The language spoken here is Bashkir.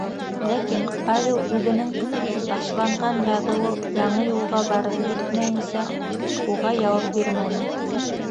Ләкин Павел үҙенең башланған яҙыуы яңы юлға барып етмәйенсә уға яуап бирмәне.